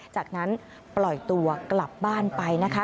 จากนั้นปล่อยตัวกลับบ้านไปนะคะ